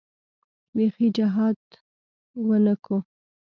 بيخي جهاد ونه کو.